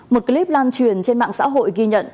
một clip lan truyền trên mạng xã hội ghi nhận